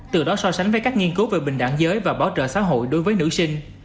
từ đó so sánh với các nghiên cứu về bình đẳng giới và bảo trợ xã hội đối với nữ sinh